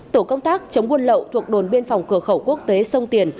tổ công tác chống buôn lậu thuộc đồn biên phòng cửa khẩu quốc tế sông tiền